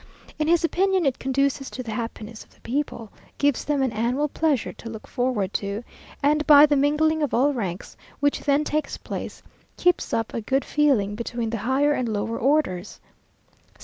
In his opinion, it conduces to the happiness of the people, gives them an annual pleasure to look forward to, and by the mingling of all ranks which then takes place, keeps up a good feeling between the higher and lower orders.